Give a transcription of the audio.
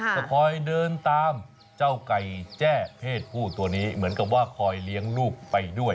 จะคอยเดินตามเจ้าไก่แจ้เพศผู้ตัวนี้เหมือนกับว่าคอยเลี้ยงลูกไปด้วย